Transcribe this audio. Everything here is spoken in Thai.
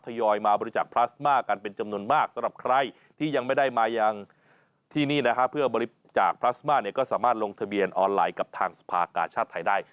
ยอยมาบริจาคพลาสมากันเป็นจำนวนมากสำหรับใครที่ยังไม่ได้มายังที่นี่นะฮะเพื่อบริจาคพลาสมาเนี่ยก็สามารถลงทะเบียนออนไลน์กับทางสภากาชาติไทยได้